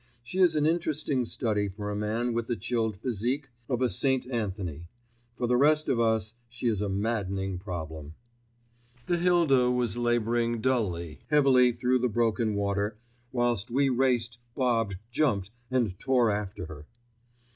She is an interesting study for a man with the chilled physique of a St. Anthony; for the rest of us she is a maddening problem. The Hilda was labouring dully, heavily through the broken water, whilst we raced, bobbed, jumped and tore after her.